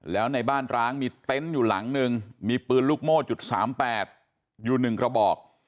แล้วในบ้านร้างมีเต็นต์อยู่หลังนึงมีปืนลูกโม่จุด๓๘อยู่๑กระบอก